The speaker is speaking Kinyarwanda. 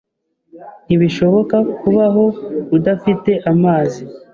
Ntibishoboka kubaho udafite amazi.